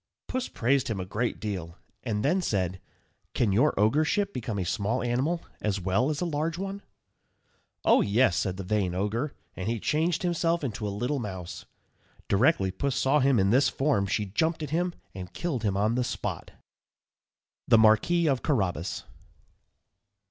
Puss praised him a great deal, and then said, "Can your ogreship become a small animal as well as a large one?" "Oh, yes," said the vain ogre; and he changed himself into a little mouse. Directly Puss saw him in this form she jumped at him and killed him on the spot. _THE MARQUIS OF CARRABAS.